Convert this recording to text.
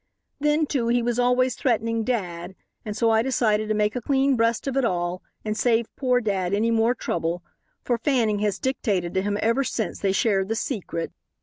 Then, too, he was always threatening dad, and so I decided to make a clean breast of it all and save poor dad any more trouble, for Fanning has dictated to him ever since they shared the secret.